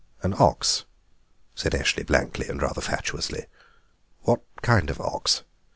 "An ox," said Eshley blankly, and rather fatuously; "what kind of ox?"